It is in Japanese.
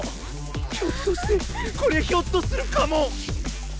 ひょっとしてこりゃひょっとするかも！